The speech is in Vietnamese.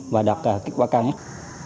và đạt kết quả cao nhất